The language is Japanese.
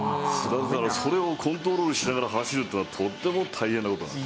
それをコントロールしながら走るってのはとっても大変な事なんです。